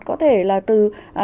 có thể là từ